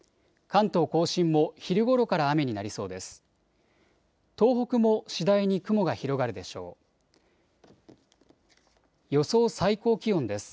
関東甲信も昼ごろから雨になりそうです。